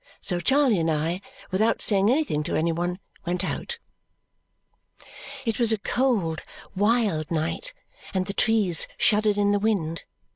So Charley and I, without saying anything to any one, went out. It was a cold, wild night, and the trees shuddered in the wind.